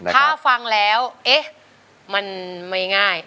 ถ้าฟังแล้วเอ๊ะมันไม่ง่าย